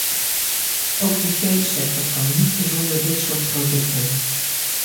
Ook de veesector kan niet zonder dit soort producten.